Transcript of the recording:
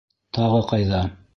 Тағы ҡайҙа?